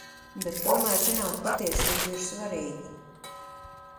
Bet tomēr zināt patiesību ir svarīgi.